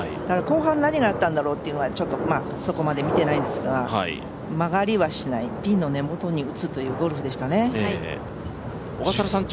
後半何があったんだろうっていうのが、ちょっとそこまで見ていないんですが曲がりはしない、ピンの根元に打つというゴルフでしたね。